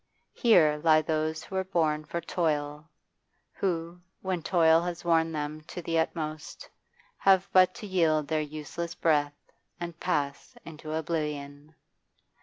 Here lie those who were born for toll; who, when toil has worn them to the uttermost, have but to yield their useless breath and pass into oblivion.